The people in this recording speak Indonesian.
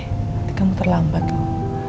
nanti kamu terlambat loh